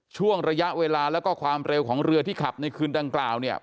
ช่วงระยะเวลาแล้วก็ความเร็วของเรือที่ขับในคืนดังกล่าวเนี่ย